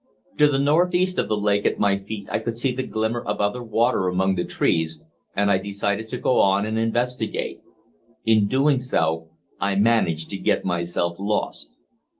To the northeast of the lake at my feet I could see the glimmer of other water among the trees, and I decided to go on and investigate. In doing so, I managed to get myself lost.